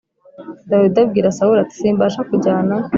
Dawidi abwira Sawuli ati Simbasha kujyana